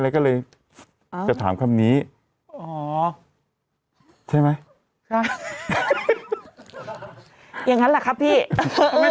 ไปคารับชนชาติไป